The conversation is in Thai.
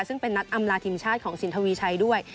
ซึ่งเป็นนัดอำลาทีมชาติของสินทวีชัยด้วย